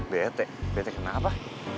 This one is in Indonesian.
bete bete kenapa